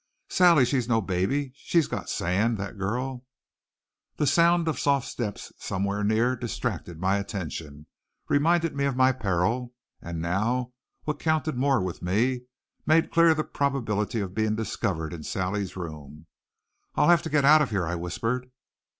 "Sally, she's no baby. She's got sand, that girl " The sound of soft steps somewhere near distracted my attention, reminded me of my peril, and now, what counted more with me, made clear the probability of being discovered in Sally's room. "I'll have to get out of here," I whispered.